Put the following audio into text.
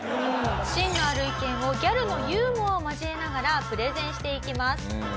「芯のある意見をギャルのユーモアを交えながらプレゼンしていきます」